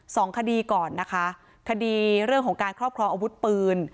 สองคดีก่อนนะคะคดีเรื่องของการครอบครองอาวุธปืน